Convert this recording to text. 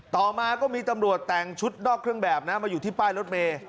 ต่อมาก็มีตำรวจแต่งชุดนอกเครื่องแบบนะมาอยู่ที่ป้ายรถเมย์